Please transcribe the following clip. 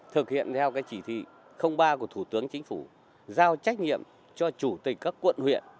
thực hiện theo chỉ thị ba của thủ tướng chính phủ giao trách nhiệm cho chủ tịch các quận huyện